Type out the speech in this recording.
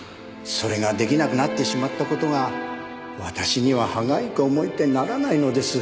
それが出来なくなってしまった事が私には歯がゆく思えてならないのです。